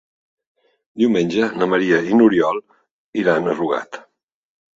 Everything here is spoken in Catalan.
Diumenge na Maria i n'Oriol iran a Rugat.